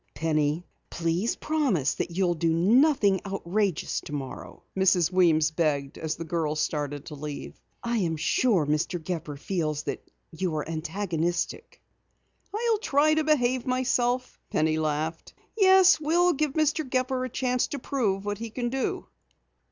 "Penny, please promise that you'll do nothing outrageous tomorrow," Mrs. Weems begged as the girl started to leave. "I am sure Mr. Gepper feels that you are antagonistic." "I'll try to behave myself," Penny laughed. "Yes, we'll give Mr. Gepper a chance to prove what he can do."